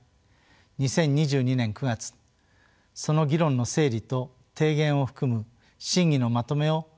２０２２年９月その議論の整理と提言を含む審議のまとめを答申・公表しました。